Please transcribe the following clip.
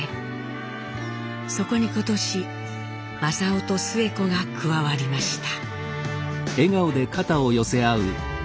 そこに今年正雄とスエ子が加わりました。